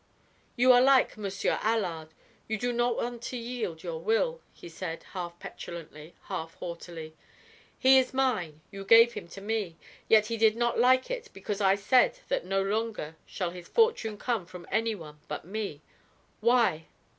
"You are like Monsieur Allard; you do not want to yield your will," he said, half petulantly, half haughtily. "He is mine, you gave him to me; yet he did not like it because I said that no longer shall his fortune come from any one but me. Why?"